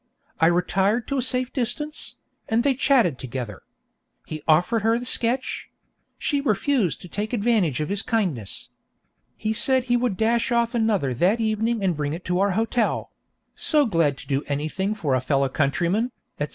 I retired to a safe distance, and they chatted together. He offered her the sketch; she refused to take advantage of his kindness. He said he would 'dash off' another that evening and bring it to our hotel 'so glad to do anything for a fellow countryman,' etc.